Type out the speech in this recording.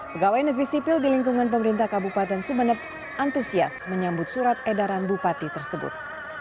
pegawai negeri sipil di lingkungan pemerintah kabupaten sumeneb antusias menyambut surat edaran bupati tersebut